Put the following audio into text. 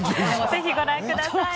ぜひご覧ください。